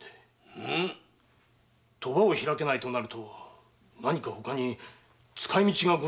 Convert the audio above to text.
うん？賭場を開けないとなると何か他に使い途がございますか？